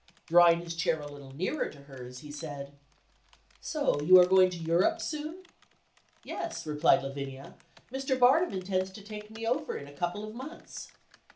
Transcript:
Drawing his chair a little nearer to hers, he said: "So you are going to Europe, soon?" "Yes," replied Lavinia, "Mr. Barnum intends to take me over in a couple of months."